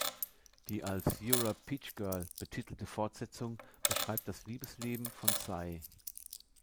Die als "Ura Peach Girl" betitelte Fortsetzung beschreibt das Liebesleben von Sae.